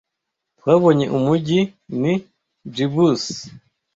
Twabonye umujyi; ni gibbous